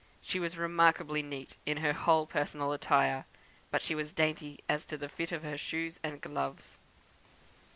She was remarkably neat in her whole personal attire; but she was dainty as to the fit of her shoes and gloves.